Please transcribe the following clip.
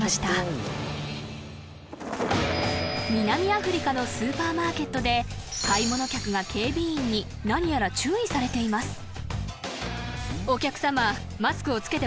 ［南アフリカのスーパーマーケットで買い物客が警備員に何やら注意されています］